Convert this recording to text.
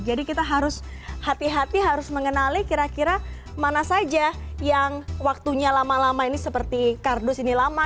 jadi kita harus hati hati harus mengenali kira kira mana saja yang waktunya lama lama ini seperti kardus ini lama